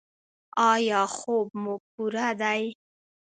ایا خوب مو پوره دی؟